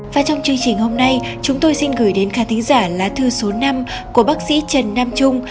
và trong chương trình hôm nay chúng tôi xin gửi đến ca tính giả lá thư số năm của bác sĩ trần nam trung